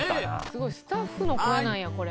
すごいスタッフの声なんやこれ。